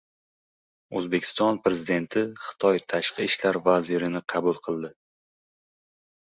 O‘zbekiston Prezidenti Xitoy tashqi ishlar vazirini qabul qildi